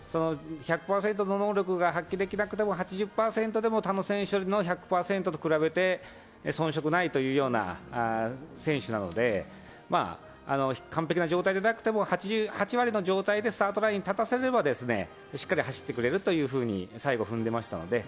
１００％の能力が発揮できなくても８０％でも他の選手の１００％と比べて遜色ないという選手なので、完璧な状態でなくても、８割の状態でスタートラインに立たせればしっかり走ってくれるというふうに最後、踏んでいました。